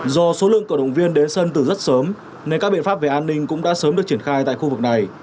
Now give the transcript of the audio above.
do số lượng cổ động viên đến sân từ rất sớm nên các biện pháp về an ninh cũng đã sớm được triển khai tại khu vực này